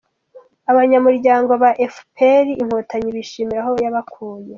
Abanyamuryango ba efuperi Inkotanyi bishimira aho yabakuye